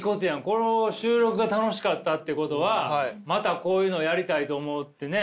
この収録が楽しかったっていうことはまたこういうのをやりたいと思ってね